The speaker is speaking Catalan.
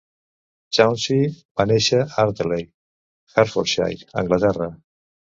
Chauncy va néixer a Ardeley, Hertfordshire, Anglaterra.